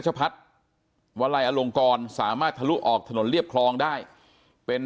ชะพัฒน์วลัยอลงกรสามารถทะลุออกถนนเรียบคลองได้เป็น